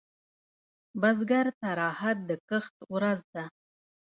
بزګر ته راحت د کښت ورځ ده